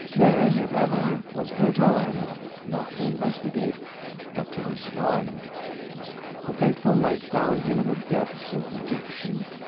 Then, if ever, was her time not to investigate, but to respond! The fateful night found him in the depths of dejection.